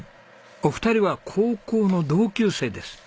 お二人は高校の同級生です。